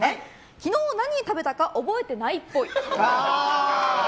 昨日、何を食べたか覚えてないっぽい。